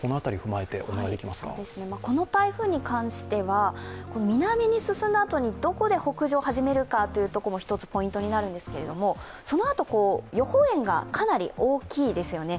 この台風に関しては、南に進んだあとにどこで北上を始めるかが一つポイントになるんですけれども、そのあと、予報円がかなり大きいですよね。